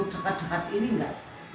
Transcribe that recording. dekat dekat ini gak